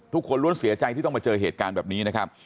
ทุกคนล้วนเสียใจที่ต้องมาเจอเหตุการณ์แบบนี้นะครับ